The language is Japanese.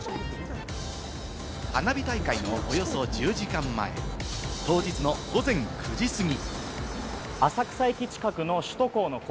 花火大会までおよそ１０時間前、当日の午前９時過ぎ。